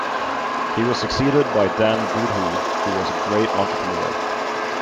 He was succeeded by Dan Boodhoo who was a great entrepreneur.